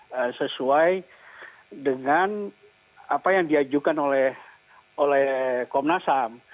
dan sesuai dengan apa yang diajukan oleh komnasam